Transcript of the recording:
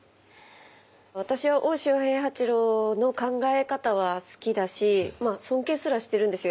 私は大塩平八郎の考え方は好きだし尊敬すらしてるんですよ。